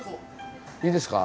いいですか？